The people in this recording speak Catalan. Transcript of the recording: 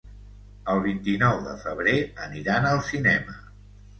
El vint-i-nou de febrer aniran al cinema.